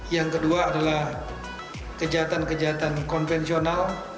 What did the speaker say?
yang kedua adalah kejahatan kejahatan konvensional